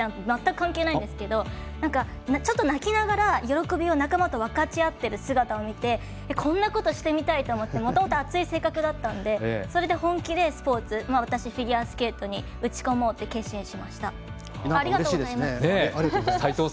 全く関係ないんですがちょっと泣きながら喜びを仲間と分かち合っている姿を見てこんなことしてみたい！と思ってもともと熱い性格だったのでそれで本気でスポーツ私はフィギュアスケートに打ち込もうと決心しました。